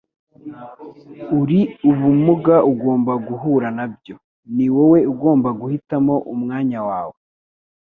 Uri ubumuga ugomba guhura nabyo. Ni wowe ugomba guhitamo umwanya wawe. ”